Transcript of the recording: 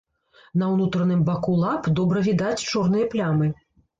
На ўнутраным баку лап добра відаць чорныя плямы.